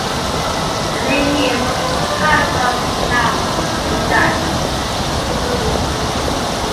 The name means "castle of the counts" in Dutch.